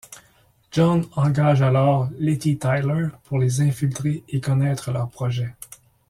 John engage alors Letty Tyler pour les infiltrer et connaitre leurs projets.